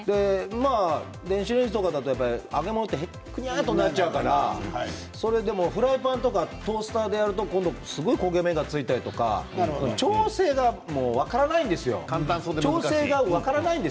電子レンジとかだと揚げ物ってへにゃっとなっちゃうからフライパンとかトースターでやると今度はすごい焦げ目がついたりとか調整が分からないんですよ。